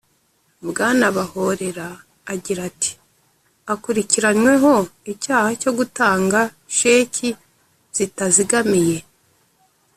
Bwana Bahorera agira ati: "Akurikiranyweho icyaha cyo gutanga sheki zitazigamiye